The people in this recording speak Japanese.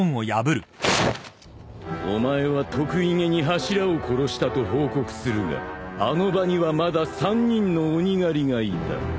お前は得意気に柱を殺したと報告するがあの場にはまだ３人の鬼狩りがいた。